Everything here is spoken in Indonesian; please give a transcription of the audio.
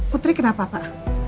putri kenapa pak